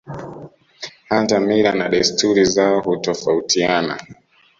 Hata mila na desturi zao hutofautiana